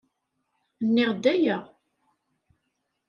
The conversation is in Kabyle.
Nniɣ-d aya.